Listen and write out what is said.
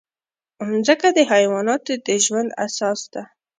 مځکه د حیواناتو د ژوند اساس ده.